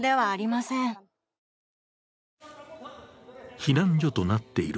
避難所となっている